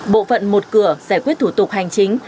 bộ phận một cửa giải quyết thủ tục hành chính